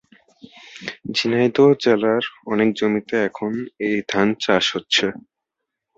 ঝিনাইদহ জেলার অনেক জমিতে এখন এই ধান চাষ হচ্ছে।